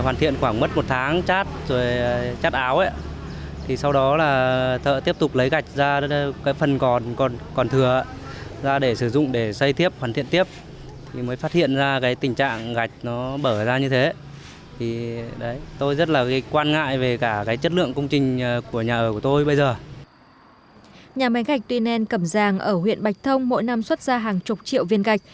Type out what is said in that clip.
nhà máy gạch tuy nen cẩm giang ở huyện bạch thông mỗi năm xuất ra hàng chục triệu viên gạch